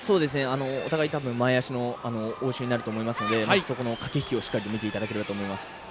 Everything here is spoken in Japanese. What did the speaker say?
お互い前足の応酬になると思いますのでそこの駆け引きを見ていただければと思います。